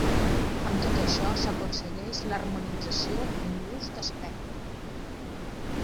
Amb tot això s'aconsegueix l'harmonització en l'ús d'espectre.